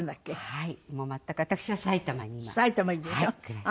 はい。